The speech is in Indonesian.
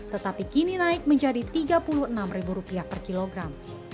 tetapi kini naik menjadi rp tiga puluh enam per kilogram